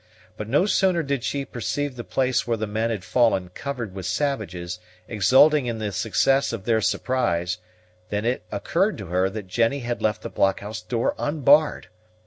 But no sooner did she perceive the place where the men had fallen covered with savages, exulting in the success of their surprise, than it occurred to her that Jennie had left the blockhouse door unbarred.